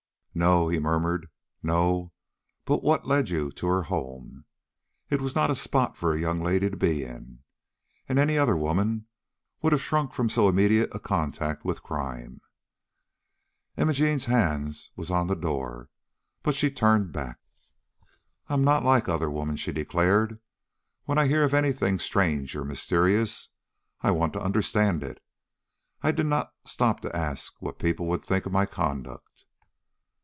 "No," he murmured, "no; but what led you to her home? It was not a spot for a young lady to be in, and any other woman would have shrunk from so immediate a contact with crime." Imogene's hand was on the door, but she turned back. "I am not like other women," she declared. "When I hear of any thing strange or mysterious, I want to understand it. I did not stop to ask what people would think of my conduct."